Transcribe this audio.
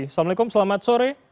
assalamualaikum selamat sore